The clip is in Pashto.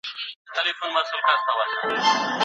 انځورګر